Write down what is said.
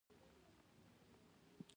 زموږ ټولنه د اخلاقو د سقوط پر سر ده.